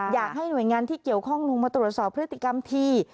อยากให้หน่วยงานที่เกี่ยวข้องลงมาตรวจสอบพฤติกรรมที